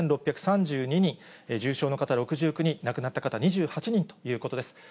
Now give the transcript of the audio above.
９６３２人、重症の方６９人、亡くなった方２８人ということです。